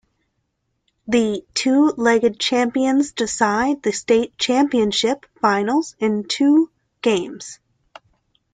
The two leg champions decide the state championship final in two games.